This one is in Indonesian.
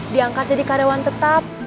diangkat jadi karyawan tetap